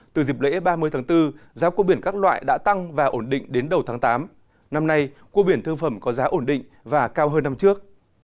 từ dịp lễ ba mươi tháng bốn giá cua biển các loại đã tăng và ổn định đến đầu tháng tám năm nay cua biển thương phẩm có giá ổn định và cao hơn năm trước